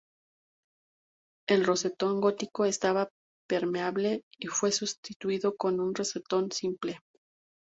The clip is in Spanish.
El rosetón gótico estaba permeable y fue sustituido con un rosetón simple.